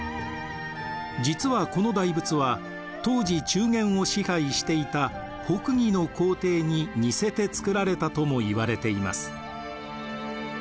実はこの大仏は当時中原を支配していた北魏の皇帝に似せて作られたとも言われています。